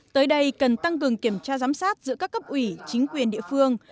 tới đây cần tăng cường kiểm tra giám sát giữa các cấp ủy chính quyền địa phương